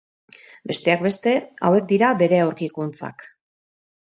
Besteak beste, hauek dira bere aurkikuntzak.